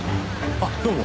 あっどうも。